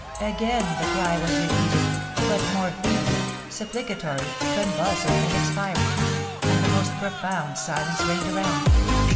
Again the cry was repeated, but more feebly, supplicatory, convulsive, and expiring; and then the most profound silence reigned around.